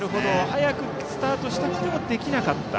早くスタートしたくてもできなかった。